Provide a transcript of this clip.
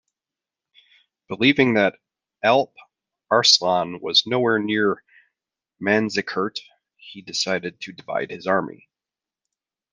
Believing that Alp Arslan was nowhere near Manzikert, he decided to divide his army.